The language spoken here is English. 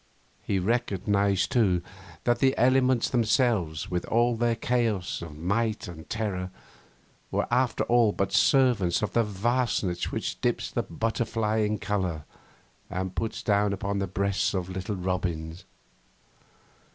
He recognised, too, that the elements themselves, with all their chaos of might and terror, were after all but servants of the Vastness which dips the butterflies in colour and puts down upon the breasts of little robins.